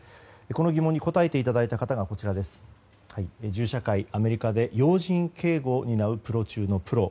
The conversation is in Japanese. この疑問に答えていただいたのが銃社会アメリカで要人警護を担うプロ中のプロ。